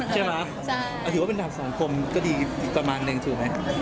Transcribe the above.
ใช่มะเอาถึงว่าเป็นทางสังคมก็ดีกว่ามันเองถูกไหม